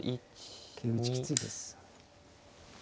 桂打ちきついです。